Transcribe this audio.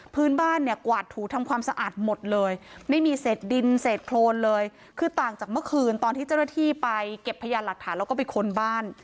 พื้นบ้านเนี่ยกวาดถูทำความสะอาดหมดเลยไม่มีเศษดินเศษโครนเลยคือต่างจากเมื่อคืนตอนที่เจ้าหน้าที่ไปเก็บพยานหลักฐานแล้วก็ไปค้นบ้าน